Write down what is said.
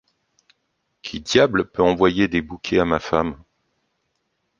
Qui diable peut envoyer des bouquets à ma femme ?